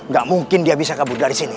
gak mungkin dia bisa kabur dari sini